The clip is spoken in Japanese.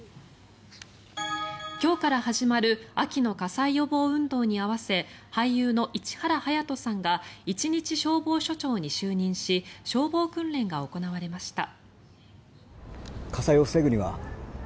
今日から始まる秋の火災予防運動に合わせ俳優の市原隼人さんが一日消防署長に就任し消防訓練が行われました。